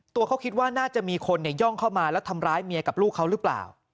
ตัวเขาคิดว่าน่าจะมีคนย่องเข้ามาแล้วทำร้ายเมียกับลูกเขาหรือเปล่า